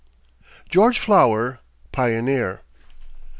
GEORGE FLOWER. PIONEER.